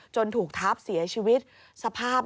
ถูกทับเสียชีวิตสภาพ